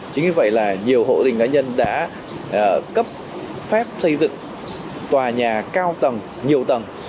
chính vì vậy là nhiều hộ gia đình cá nhân đã cấp phép xây dựng tòa nhà cao tầng nhiều tầng